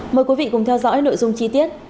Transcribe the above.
mời quý vị cùng theo dõi nội dung chi tiết